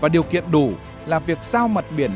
điều kiện đủ là việc sao mặt biển